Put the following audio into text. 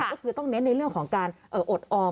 ก็คือต้องเน้นในเรื่องของการอดออม